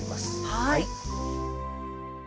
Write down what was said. はい。